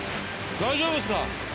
大丈夫ですか？